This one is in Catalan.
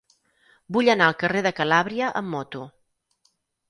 Vull anar al carrer de Calàbria amb moto.